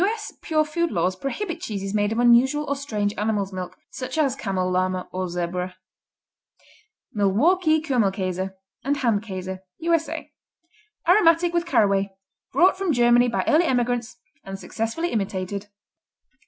S. pure food laws prohibit cheeses made of unusual or strange animal's milk, such as camel, llama and zebra. Milwaukee Kümmelkäse and Hand Käse U.S.A. Aromatic with caraway, brought from Germany by early emigrants and successfully imitated.